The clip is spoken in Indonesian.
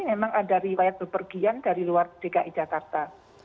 memang ada riwayat bepergian dari luar dki jakarta